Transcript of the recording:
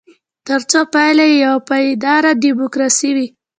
ترڅو پایله یې یوه پایداره ډیموکراسي وي.